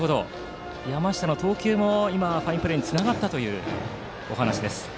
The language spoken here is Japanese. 山下の投球も今のファインプレーにつながったというお話です。